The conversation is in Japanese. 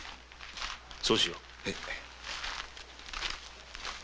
そうしよう。